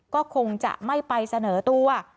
ก็คงจะไม่ไปเสนอตัว